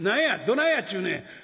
どないやっちゅうねん」。